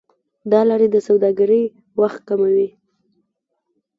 دا لارې د سوداګرۍ وخت کموي.